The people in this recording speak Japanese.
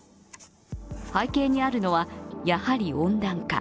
背景にあるのは、やはり温暖化。